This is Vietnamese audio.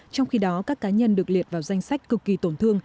trong khi đó các cá nhân được liệt vào danh sách cực kỳ tổn thương